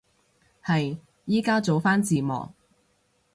係，依家做返字幕